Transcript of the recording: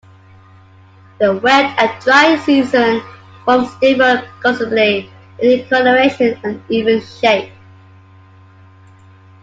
The wet- and dry-season forms differ considerably in coloration and even shape.